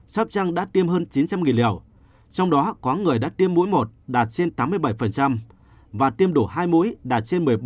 sóc trăng đã tiêm hơn chín trăm linh liều trong đó có người đã tiêm mũi một đạt trên tám mươi bảy và tiêm đủ hai mũi đạt trên một mươi ba